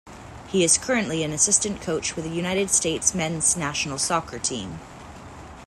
He is currently an assistant coach with the United States men's national soccer team.